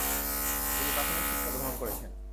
তিনি প্রাথমিক শিক্ষা গ্রহণ করেছেন।